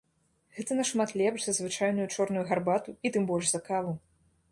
Гэта нашмат лепш за звычайную чорную гарбату і тым больш за каву.